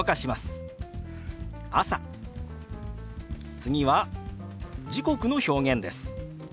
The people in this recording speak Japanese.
次は時刻の表現です。